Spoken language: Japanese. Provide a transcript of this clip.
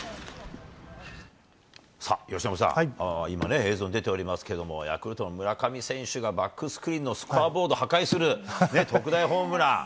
由伸さん、今ね、映像に出ておりますけれども、ヤクルトの村上選手がバックスクリーンのスコアボードを破壊する特大ホームラン。